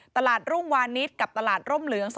รุ่งวานิสกับตลาดร่มเหลือง